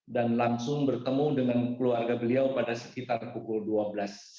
dan langsung bertemu dengan keluarga beliau pada sekitar pukul dua belas siang waktu swiss